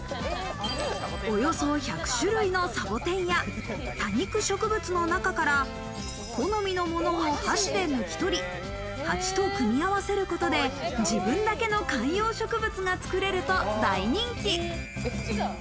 およそ１００種類のサボテンや多肉植物の中から好みのものを箸で抜き取り、ハチと組み合わせることで自分だけの観葉植物がつくれると大人気。